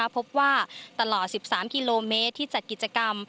พบว่าตลอด๑๓กิโลเมตรที่จัดกิจกรรม